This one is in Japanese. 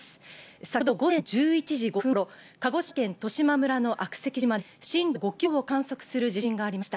先ほど午前１１時５分頃、鹿児島県十島村の悪石島で震度５強を観測する地震がありました。